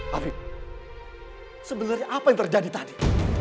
hafid sebenarnya apa yang terjadi tadi